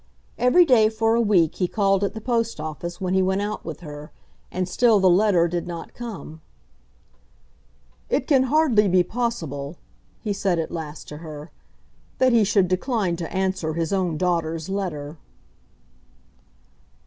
Every day for a week he called at the post office when he went out with her, and still the letter did not come. "It can hardly be possible," he said at last to her, "that he should decline to answer his own daughter's letter."